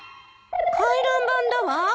回覧板だわ。